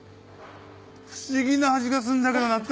不思議な味がすんだけど懐かしい。